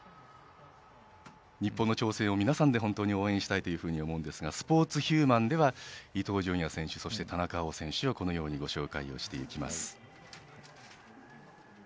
日本の挑戦を、皆さんで応援したいと思うんですが「スポーツ×ヒューマン」では伊東純也選手そして田中碧選手をこのようにご紹介していきます。